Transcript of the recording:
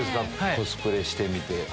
コスプレしてみて。